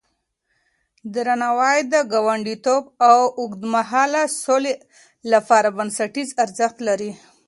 درناوی د ګاونډيتوب او اوږدمهاله سولې لپاره بنسټيز ارزښت لري.